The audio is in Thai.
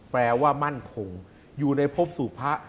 แปลว่ามั่นคงอยู่ในพบสู่พระ